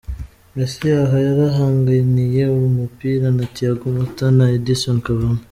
Messi aha yarahanganiye umupira na Thiago Motta na Edinson Cavani.